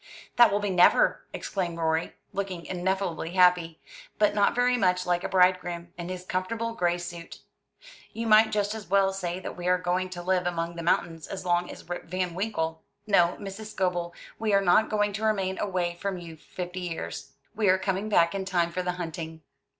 "That will be never!" exclaimed Rorie, looking ineffably happy, but not very much like a bride groom, in his comfortable gray suit. "You might just as well say that we are going to live among the mountains as long as Rip Van Winkle. No, Mrs. Scobel, we are not going to remain away from you fifty years. We are coming back in time for the hunting."